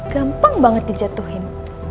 gampang banget di jatuhin